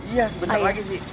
iya sebentar lagi sih